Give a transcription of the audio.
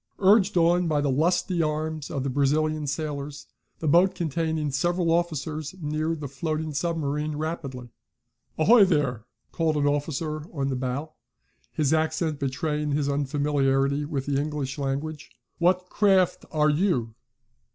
Urged on by the lusty arms of the Brazilian sailors, the boat, containing several officers, neared the floating submarine rapidly. "Ahoy there!" called an officer in the bow, his accent betraying his unfamiliarity with the English language. "What craft are you?"